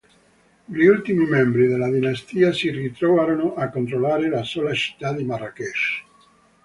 Gli ultimi membri della dinastia si ritrovarono a controllare la sola città di Marrakesh.